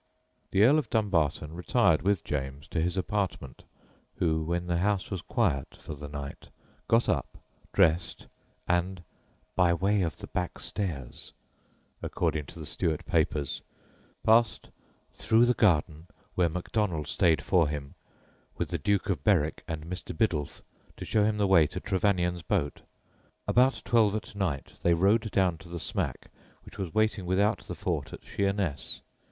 The Earl of Dumbarton retired with James to his apartment, who, when the house was quiet for the night, got up, dressed, and "by way of the back stairs," according to the Stuart Papers, passed "through the garden, where Macdonald stayed for him, with the Duke of Berwick and Mr. Biddulph, to show him the way to Trevanion's boat. About twelve at night they rowed down to the smack, which was waiting without the fort at Sheerness.